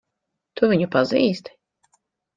Tu viņu pazīsti?